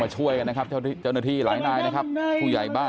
มาช่วยกันนะครับเจ้าหน้าที่หลายหน้านะครับ